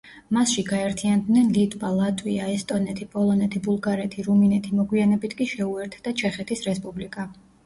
მასში გაერთიანდნენ ლიტვა, ლატვია, ესტონეთი, პოლონეთი, ბულგარეთი, რუმინეთი, მოგვიანებით კი შეუერთდა ჩეხეთის რესპუბლიკა.